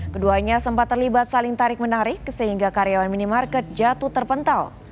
keduanya sempat terlibat saling tarik menarik sehingga karyawan minimarket jatuh terpental